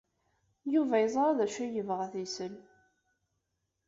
Yuba yeẓra d acu ay yebɣa ad t-isel.